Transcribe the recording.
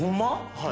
はい。